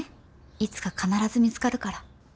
いつか必ず見つかるから。